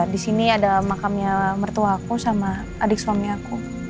disini ada makamnya mertua aku sama adik suami aku